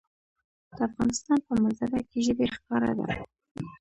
د افغانستان په منظره کې ژبې ښکاره ده.